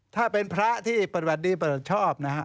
ถ้าเป็นพระที่ปฏิบัติดีประชอบ